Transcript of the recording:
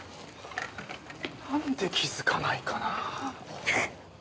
なんで気づかないかなあ。